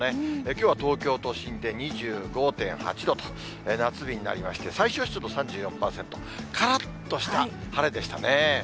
きょうは東京都心で２５．８度と、夏日になりまして、最小湿度３４％、からっとした晴れでしたね。